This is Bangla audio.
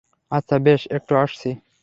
আচ্ছা - বেশ - একটু আসছি।